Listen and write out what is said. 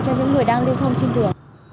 cho những người đang lưu thông trên đường